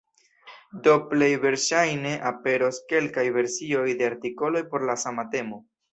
Do, plej verŝajne aperos kelkaj versioj de artikoloj por la sama temo.